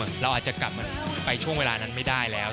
เราอาจจะกลับมาไปช่วงเวลานั้นไม่ได้แล้ว